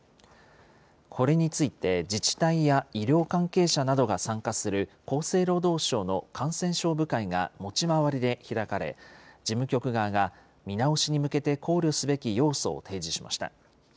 これについて自治体や医療関係者などが参加する厚生労働省の感染症部会が持ち回りで開かれ、事務局側が見直しに向けて考慮すべき要素を提示しました。